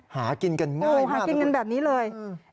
หากินกันง่ายหากินกันแบบนี้เลย